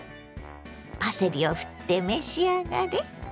パセリをふって召し上がれ。